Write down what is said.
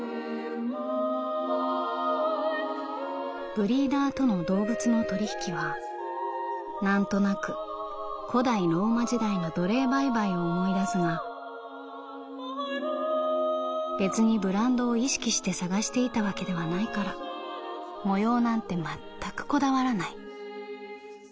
「ブリーダーとの動物の取引はなんとなく古代ローマ時代の奴隷売買を思い出すが別にブランドを意識して探していたわけではないから模様なんて全くこだわらない」。